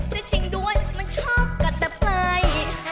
ได้จริงด้วยมันชอบกัดแต่ไป